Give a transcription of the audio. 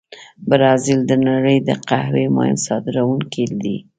برازیل د نړۍ د قهوې مهم صادرونکي دي.